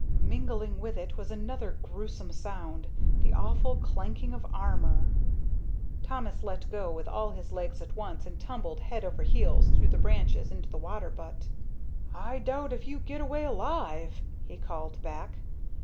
Mingling with it was another gruesome sound, the awful clanking of armor. Thomas let go with all his legs at once and tumbled head over heels through the branches into the water butt. "I doubt if you get away alive," he called back.